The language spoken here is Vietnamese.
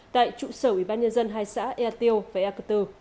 tại trụ sở ủy ban nhân dân hai xã ea tiêu và ea cơ tư